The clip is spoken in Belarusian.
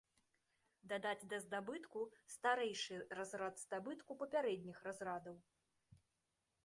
Дадаць да здабытку старэйшы разрад здабытку папярэдніх разрадаў.